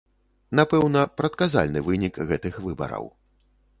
Напэўна, прадказальны вынік гэтых выбараў.